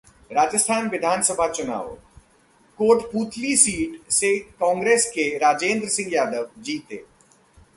राजस्थान विधानसभा चुनाव: कोटपूतली सीट से कांग्रेस के राजेंद्र सिंह यादव जीते